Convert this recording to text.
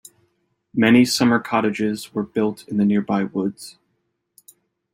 Many summer cottages were built in the nearby woods.